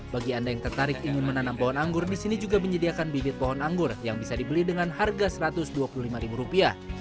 bagi anda yang tertarik ingin menanam pohon anggur di sini juga menyediakan bibit pohon anggur yang bisa dibeli dengan harga rp satu ratus dua puluh lima rupiah